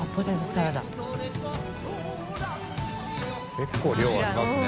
結構量ありますね。